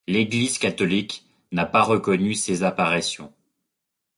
L'Église catholique n'a pas reconnu ces apparitions.